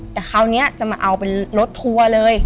แต่คราวนี้จะมาเอาเป็นรถทัวร์เลย